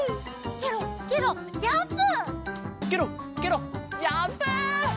ケロッケロッジャンプ！